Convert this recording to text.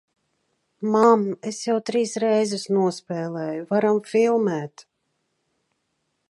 Mam, es jau trīs reizes nospēlēju, varam filmēt!...